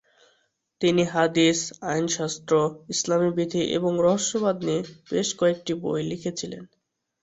তিনি হাদিস, আইনশাস্ত্র, ইসলামিক বিধি এবং রহস্যবাদ নিয়ে বেশ কয়েকটি বই লিখেছিলেন।